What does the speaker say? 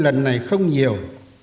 lần này không nhiều